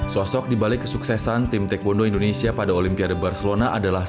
sosok dibalik kesuksesan tim taekwondo indonesia pada olimpiade barcelona adalah